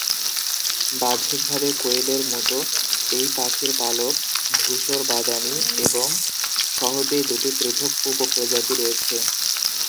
বাহ্যিকভাবে কোয়েলের মতো এই পাখির পালক ধূসর-বাদামি এবং সহজেই দুটি পৃথক উপপ্রজাতি রয়েছে।